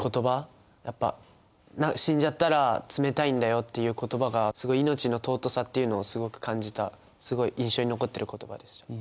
やっぱ死んじゃったら冷たいんだよっていう言葉がすごい命の尊さっていうのをすごく感じたすごい印象に残ってる言葉でした。